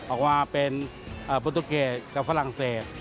ออกมาเป็นปุตตุเกียร์กับฝรั่งเศส